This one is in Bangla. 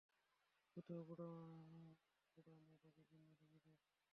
কোথাও পোড়া মাদকের চিহ্ন খুঁজে পাও কিনা দেখ!